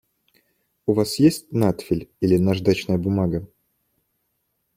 У вас есть надфиль или наждачная бумага?